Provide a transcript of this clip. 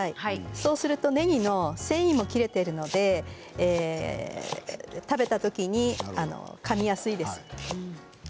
そうするとねぎの繊維を切っているので食べたときにかみやすいです。